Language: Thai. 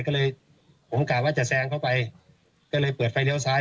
ก็เลยผมกะว่าจะแซงเข้าไปก็เลยเปิดไฟเลี้ยวซ้าย